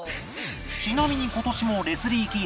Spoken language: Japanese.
ちなみに今年もレスリー・キー